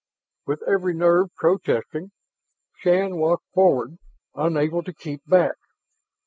With every nerve protesting, Shann walked forward, unable to keep back.